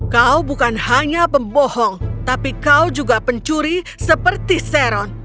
kau bukan hanya pembohong tapi kau juga pencuri seperti seron